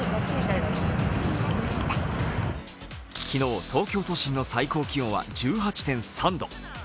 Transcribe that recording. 昨日、東京都心の最高気温は１８．３度。